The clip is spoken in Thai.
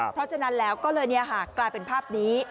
เพราะฉะนั้นแล้วก็เลยกลายเป็นภาพนี้